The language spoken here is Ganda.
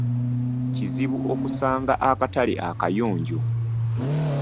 Kizibu okusanga akatale akayonjo.